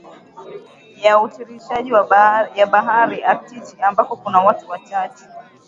ya utiririshaji ya Bahari Aktiki ambako kuna watu wachache